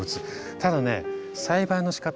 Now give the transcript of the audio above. ただね栽培のしかた。